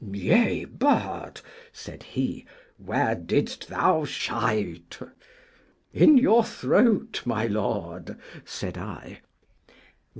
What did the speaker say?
Yea but, said he, where didst thou shite? In your throat, my lord, said I.